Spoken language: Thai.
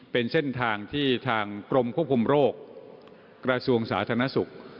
เป็นเส้นทางที่ทางกรมควบคุมโรคกระทรวงสาธารณสุข